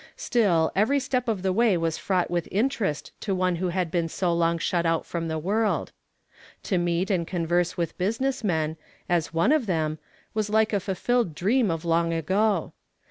Still, every step of the way was fraught with interest to one who had been so long shut out from the world. i« " I WILL StSEK HIM. ») 187 ij^l To meet and convei se with business men, as one of them, was like a fulfilled dream of long ago.